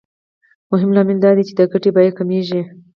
مهم لامل دا دی چې د ګټې بیه کمېږي